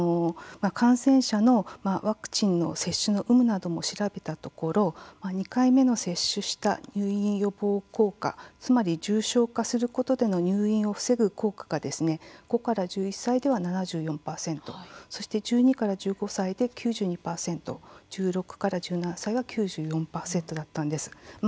感染者のワクチンの接種の有無なども調べたところ２回目の接種した入院予防効果つまり重症化することでの入院を防ぐ効果が５から１１歳では７４％そして、１２から１５歳で９２％１６から１７歳は９４％だったんです。